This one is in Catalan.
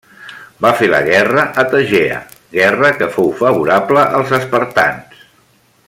Va fer la guerra a Tegea, guerra que fou favorable als espartans.